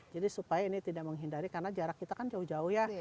jadi supaya ini tidak menghindari karena jarak kita kan jauh jauh ya